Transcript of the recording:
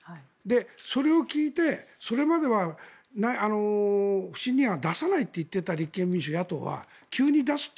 それを聞いてそれまでは不信任案を出さないといっていた立憲民主、野党は急に出すと。